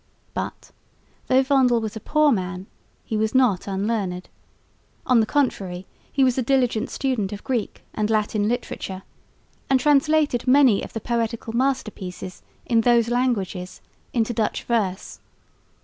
But, though Vondel was a poor man, he was not unlearned. On the contrary he was a diligent student of Greek and Latin literature, and translated many of the poetical masterpieces in those languages into Dutch verse.